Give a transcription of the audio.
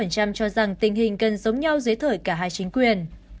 một mươi ba cho rằng tình hình gần giống nhau dưới thở cả hai chính quyền